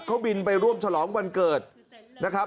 เขาบินไปร่วมฉลองวันเกิดนะครับ